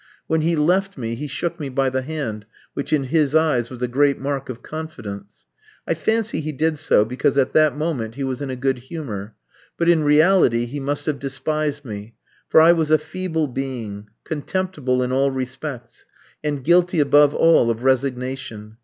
When he left me he shook me by the hand, which in his eyes was a great mark of confidence. I fancy he did so, because at that moment he was in a good humour. But in reality he must have despised me, for I was a feeble being, contemptible in all respects, and guilty above all of resignation.